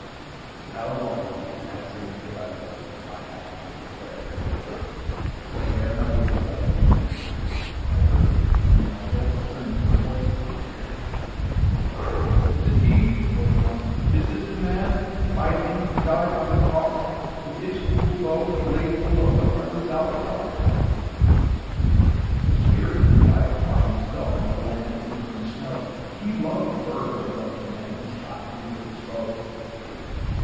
How long in that same fit I lay, I have not to declare; But ere my living life returned, I heard and in my soul discerned Two VOICES in the air. "Is it he?" quoth one, "Is this the man? By him who died on cross, With his cruel bow he laid full low, The harmless Albatross. "The spirit who bideth by himself In the land of mist and snow, He loved the bird that loved the man Who shot him with his bow."